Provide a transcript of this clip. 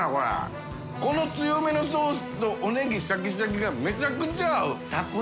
この強めのソースとおネギシャキシャキが瓩舛磴舛禮腓Α燭馨